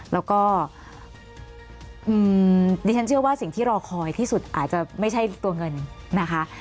แล้วก็ดิฉันเชื่อว่าสิ่งที่รอคอยที่สุดอาจจะไม่ใช่ตัวเงินนะคะ